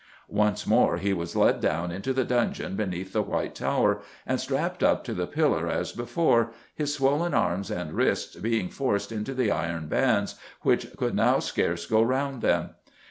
Once more he was led down into the dungeon beneath the White Tower and strapped up to the pillar as before, his swollen arms and wrists being forced into the iron bands which could now scarce go round them.